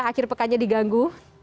akhir pekannya diganggu